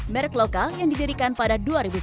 merek lokal yang didirikan pada dua ribu sepuluh